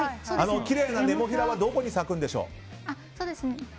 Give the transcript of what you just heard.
きれいなネモフィラはどこに咲くんでしょう？